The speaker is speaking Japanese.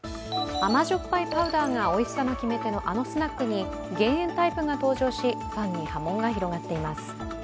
甘塩っぱいパウダーがおいしさの決め手のあのスナックに減塩タイプが登場し、ファンに波紋が広がっています。